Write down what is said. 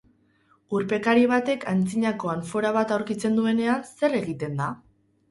Urpekari batek aintzinako anfora bat aurkitzen duenean, zer egiten da?